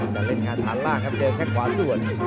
แต่เล่นงานฐานล่างครับเจอแค่ขวาส่วน